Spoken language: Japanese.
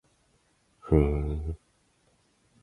ふーん